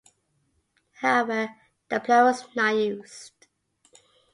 However, that plan was not used.